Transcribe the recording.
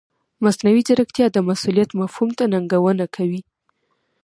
مصنوعي ځیرکتیا د مسؤلیت مفهوم ته ننګونه کوي.